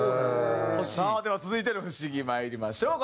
さあでは続いての不思議まいりましょう。